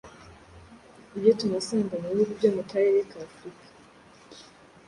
ibyo tunasanga mu bihugu byo mu karere ka Afurika